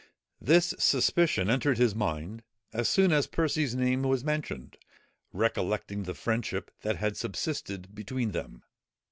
This suspicion entered his mind as soon as Percy's name was mentioned, recollecting the friendship that had subsisted between them.